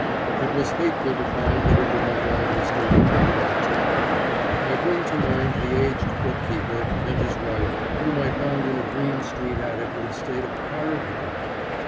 It was hateful to find that it did not always do the good it ought to. I bring to mind the aged bookkeeper and his wife whom I found in a Greene Street attic in a state of horrid want.